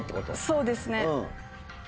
そうですね。